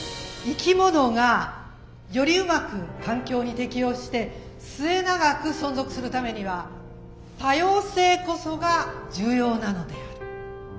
「生き物がよりうまく環境に適応して末長く存続するためには多様性こそが重要なのである」。